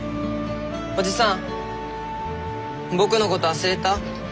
おじさん僕のこと忘れた？